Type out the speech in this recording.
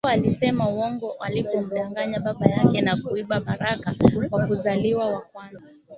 Yakobo alisema uongo alipomdanganya Baba yake na kuiba mbaraka wa uzaliwa wa kwanza